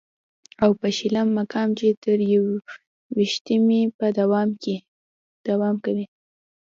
او په شلم مقام چې تر يوویشتمې به دوام کوي